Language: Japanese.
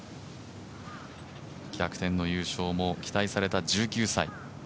逆転の優勝も期待された１９歳。